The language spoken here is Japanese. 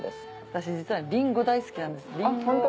私実はりんご大好きなんです。